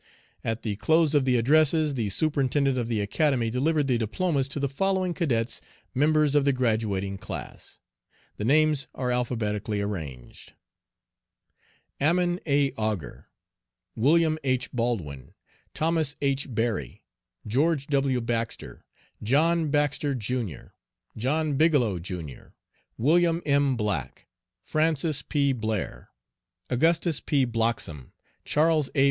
At the close of the addresses the Superintendent of the Academy delivered the diplomas to the following cadets, members of the Graduating Class. The names are alphabetically arranged: Ammon A. Augur, William H. Baldwin, Thomas H. Barry, George W. Baxter, John Baxter, Jr., John Bigelow, Jr., William M. Black, Francis P. Blair, Augustus P. Blocksom, Charles A.